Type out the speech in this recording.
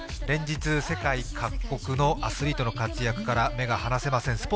連日、世界各国のアスリートの活躍から目が離せません